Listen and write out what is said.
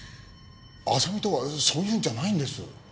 亜沙美とはそういうんじゃないんです。